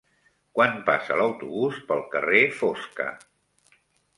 Quan passa l'autobús pel carrer Fosca?